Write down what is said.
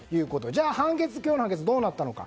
じゃあ、今日の判決はどうなったのか。